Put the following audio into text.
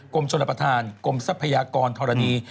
กรมชนประธานกรมทรัพยากรธรณี